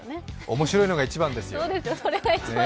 面白いのが一番ですよ。